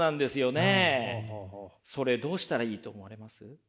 それどうしたらいいと思われます？